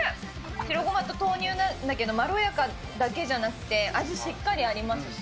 白ごまと豆乳なんだけど、まろやかだけじゃなくて、味しっかりありますし。